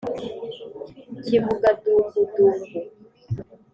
kivuga dumbudumbu